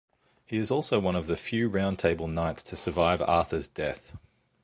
He is also one of the few Round Table knights to survive Arthur's death.